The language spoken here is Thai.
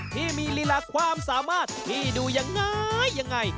ที่มีลิละความสามารถที่ดูอย่างไรอย่างไร